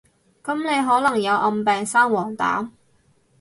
噉你可能有暗病生黃疸？